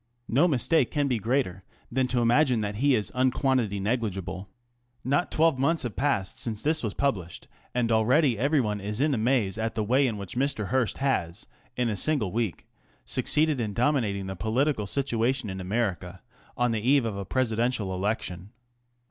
No mistake can be grtat than to imagine that he is un qua?itite n'egligeabh Not twelve months have passed since this w published, and already everyone is in amaze at tj way in which Mr. Hearst has in a single we* succeeded in dominating the political situation America on the eve of a Presidential election.